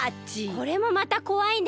これもまたこわいね。